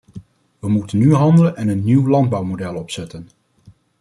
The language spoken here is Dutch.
We moeten nu handelen en een nieuw landbouwmodel opzetten.